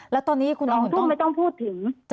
แล้วตอนนี้คุณอองทุ่งไม่ต้องพูดถึง